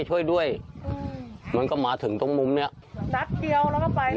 เฉยด้วยมันก็มาถึงต้องมุมนี้กระชะรอบน้ำทรงประมุโน